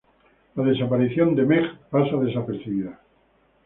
La desaparición de Meg pasa desapercibida.